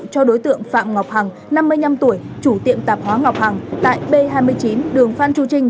cho đối tượng phạm ngọc hằng năm mươi năm tuổi chủ tiệm tạp hóa ngọc hằng tại b hai mươi chín đường phan chu trinh